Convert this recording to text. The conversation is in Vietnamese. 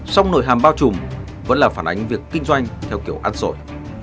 sông nổi hàm bao trùm vẫn là phản ánh việc kinh doanh theo kiểu ăn sổi